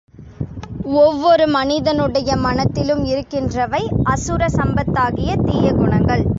ஒவ்வொரு மனிதனுடைய மனத் திலும் இருக்கின்றவை அசுர சம்பத்தாகிய தீய குணங்கள்.